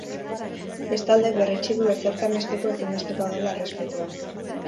Bestalde, berretsi du ezertan hasteko, ezinbestekoa dela errespetua.